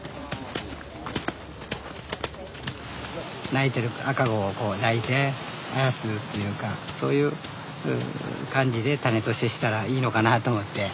泣いてる赤子を抱いてあやすっていうかそういう感じでタネと接したらいいのかなと思って。